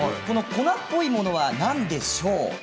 この粉っぽいものは何でしょう？